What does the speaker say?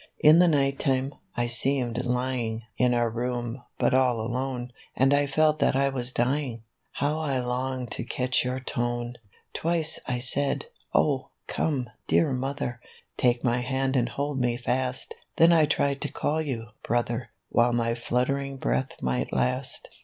"In the night time I seemed lying In our room, but all alone; And I felt that I was dying; How I longed to catch your tone !" Twice I said, ' Oh, come, dear Mother ! Take my hand and hold me fast;' Then I tried to call you, Brother, While my fluttering breath might last.